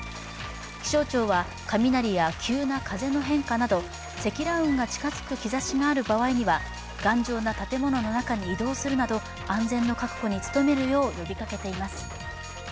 気象庁は雷や急な風の変化など積乱雲が近づく兆しがある場合には頑丈な建物の中に移動するなど安全の確保に努めるよう呼びかけています。